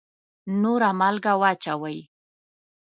نوره مالګه واچوئ